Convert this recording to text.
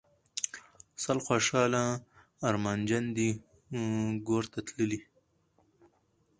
سل خوشحاله ارمانجن دي ګورته تللي